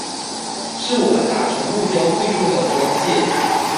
是我們達成目標最重要的關鍵